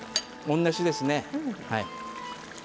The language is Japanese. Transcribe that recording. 同じですね。